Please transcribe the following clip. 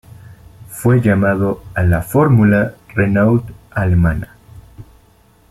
Fue llamado a la Fórmula Renault alemana.